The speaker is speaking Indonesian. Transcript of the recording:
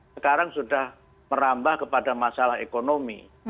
sekarang sudah merambah kepada masalah ekonomi